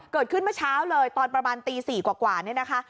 เกิดขึ้นเมื่อเช้าเลยตอนประมาณตี๔กว่านี่นะคะ